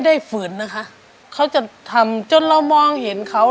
เรียกกันว่าไม่ว่าจะงานขับรถเล่นดูแลเราเป็นอย่างดีตลอดสี่ปีที่ผ่านมา